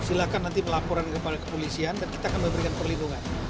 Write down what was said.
silahkan nanti melaporan kepada kepolisian dan kita akan memberikan perlindungan